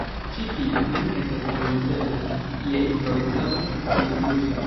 Ĉi tiu nun estas bone uzebla je improvizado pri bluso.